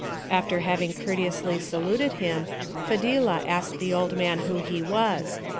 After having courteously saluted him, Fadhilah asked the old man who he was.